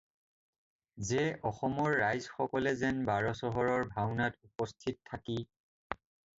যে অসমৰ ৰাইজ সকলে যেন বাৰ চহৰৰ ভাওনাত উপস্থিত থাকি